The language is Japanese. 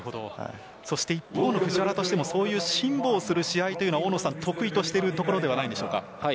一方の藤原としてもそういう辛抱する試合というのは得意としているところではないでしょうか？